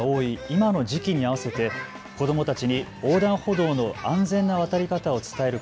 今の時期に合わせて子どもたちに横断歩道の安全な渡り方を伝える